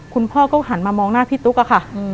คุณพ่อก็หันมามองหน้าพี่ตุ๊กอะค่ะ